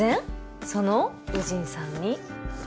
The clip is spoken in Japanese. その祐鎮さんに？